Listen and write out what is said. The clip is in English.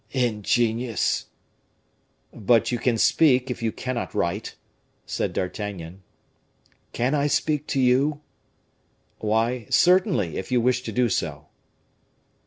"Ingenious!" "But you can speak, if you cannot write," said D'Artagnan. "Can I speak to you?" "Why, certainly, if you wish to do so."